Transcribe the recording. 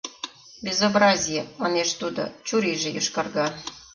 — Безобразие! — манеш тудо, чурийже йошкарга.